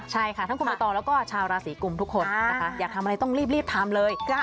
ใช่ค่ะทั้งคุณใบตองแล้วก็ชาวราศีกุมทุกคนนะคะอยากทำอะไรต้องรีบทำเลย